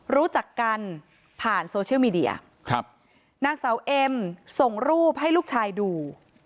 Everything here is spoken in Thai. รู้จักกันผ่านโซเชียลมีเดียครับนางเสาเอ็มส่งรูปให้ลูกชายดู